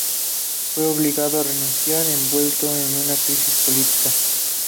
Fue obligado a renunciar, envuelto en una crisis política.